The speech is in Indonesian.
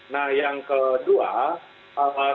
nah yang kedua kami melihat